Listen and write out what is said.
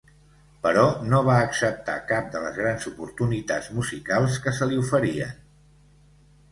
Però no va acceptar cap de les grans oportunitats musicals que se li oferien.